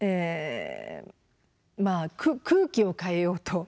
まあ空気を変えようと。